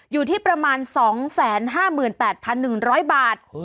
อยู่ที่ประมาณ๒๕๘๑๐๐บาท